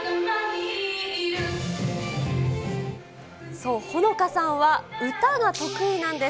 そう、ホノカさんは歌が得意なんです。